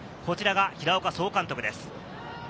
こちらが平岡総監督です。